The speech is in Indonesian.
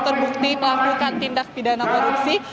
terbukti melakukan tindak pidana korupsi